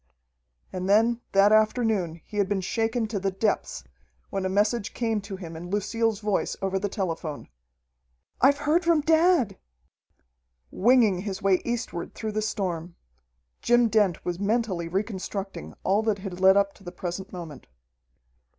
And then that afternoon he had been shaken to the depths when a message came to him in Lucille's voice over the telephone: "I've heard from dad!" Winging his way eastward through the storm, Jim Dent was mentally reconstructing all that had led up to the present moment.